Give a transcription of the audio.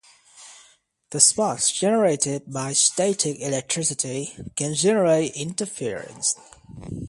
The sparks generated by static electricity can generate interference.